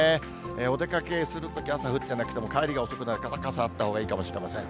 お出かけするとき、朝降ってなくても、帰りが遅くなる方は傘あったほうがいいかもしれません。